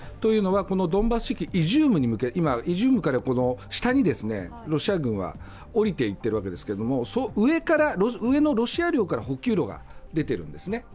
このドンバス地域イジュームに向け、イジュームから下にロシア軍は降りていっているわけですが、上のロシア領から補給路が出ているんですね。